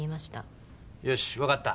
よしわかった。